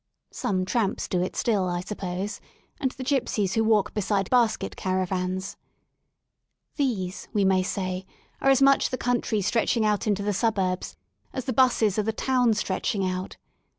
Some tramps do it still, I suppose, and the gipsies who walk beside basket caravans. These, we may say, are as much the country" stretching into the suburbs as the 'buses are the town stretching out.